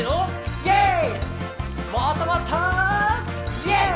「イェーイ！」